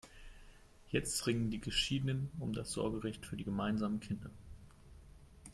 Jetzt ringen die Geschiedenen um das Sorgerecht für die gemeinsamen Kinder.